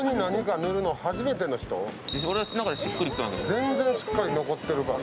全然しっかり残ってるから。